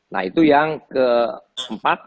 nah itu yang keempat